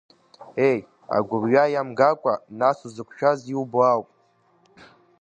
Еи, агәырҩа иамгакәа, нас, шәзықәшәаз иубо ауп.